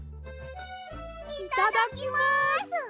いただきます！